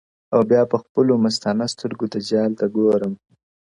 • او بیا په خپلو مستانه سترګو دجال ته ګورم،